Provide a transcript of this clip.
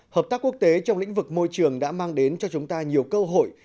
hợp tác quốc tế trong lĩnh vực môi trường đã mang đến cho chúng ta nhiều cơ hội